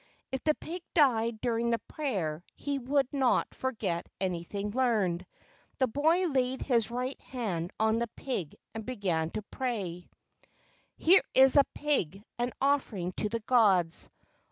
If the pig died during the prayer, he would not forget anything learned. The boy laid his right hand on the pig and began to pray: "Here is a pig, an offering to the gods.